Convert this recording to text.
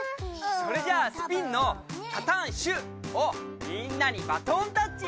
それじゃあスピンのタタンシュ！をみんなにバトンタッチ！